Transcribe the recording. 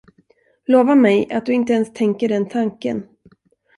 Lova mig att du inte ens tänker den tanken.